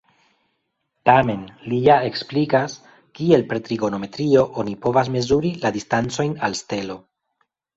Tamen, li ja eksplikas, kiel per trigonometrio oni povas mezuri la distancojn al stelo.